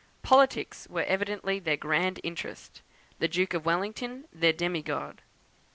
Politics were evidently their grand interest; the Duke of Wellington their demi god.